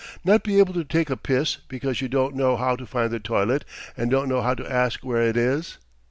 Not be able to take a piss because you don't know how to find the toilet and don't know how to ask where it is?